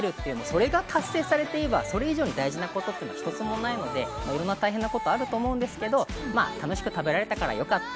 それが達成されていれば、それ以上に大事なことは一つもないので、大変なこといろいろあると思いますけど、楽しく食べられたからよかった。